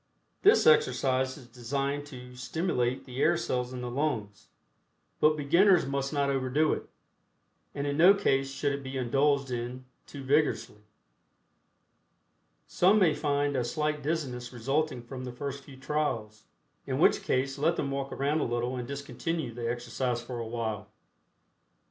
This exercise is designed to stimulate the air cells in the lungs, but beginners must not overdo it, and in no case should it be indulged in too vigorously. Some may find a slight dizziness resulting from the first few trials, in which case let them walk around a little and discontinue the exercise for a while.